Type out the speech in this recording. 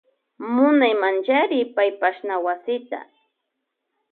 Munaymanchari paypashna wasita.